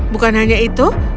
bukan hanya itu